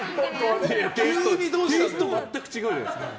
テイスト全く違うじゃないですか。